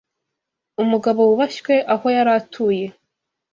umugabo wubashywe aho yari atuye